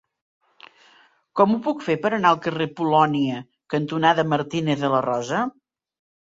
Com ho puc fer per anar al carrer Polònia cantonada Martínez de la Rosa?